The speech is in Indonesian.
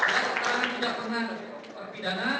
jangan pernah tidak pernah terpidana